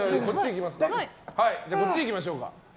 いや、こっちいきましょう。